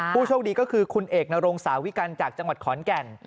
ผู้โชคดีก็คือคุณเอกนรงสาวิกัลจากจังหวัดขอนแก่น